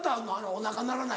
おなか鳴らない。